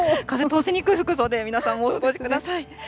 風通しにくい服装で皆さんお過ごしください。